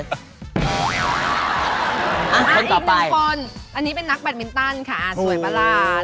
อีกหนึ่งคนอันนี้เป็นนักแบตมินตันค่ะสวยประหลาด